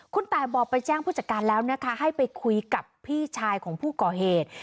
คุณตายบอกไปแจ้งผู้จัดการแล้วนะคะให้ไปคุยกับพี่ชายของผู้ก่อเหตุ